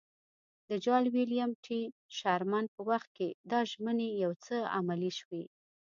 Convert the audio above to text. د جال ویلیم ټي شرمن په وخت کې دا ژمنې یو څه عملي شوې.